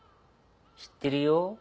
知ってるよ。